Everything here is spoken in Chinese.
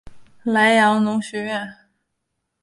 莱阳农学院。